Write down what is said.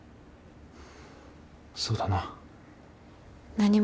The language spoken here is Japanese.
そうだな。